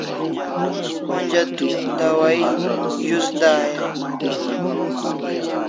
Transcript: Onja tu dawahi zus dai e?